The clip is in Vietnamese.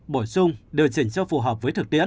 bổ sung điều chỉnh cho phù hợp với thực tiễn